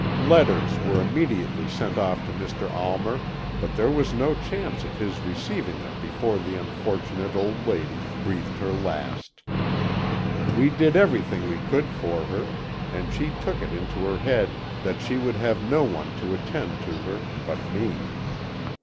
Letters were immediately sent off to Mr. Almer, but there was no chance of his receiving them before the unfortunate old lady breathed her last. We did everything we could for her, and she took it into her head that she would have no one to attend to her but me.